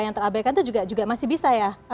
yang terabaikan itu juga masih bisa ya